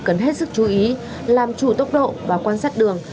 cần hết sức chú ý làm chủ tốc độ và quan sát đường